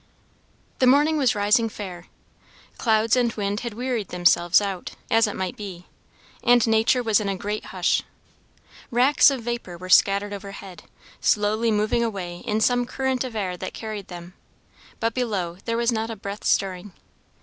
The morning was rising fair. Clouds and wind had wearied themselves out, as it might be; and nature was in a great hush. Racks of vapour were scattered overhead, slowly moving away in some current of air that carried them; but below there was not a breath stirring.